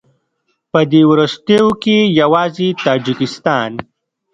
په دې وروستیو کې یوازې تاجکستان